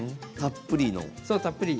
たっぷり。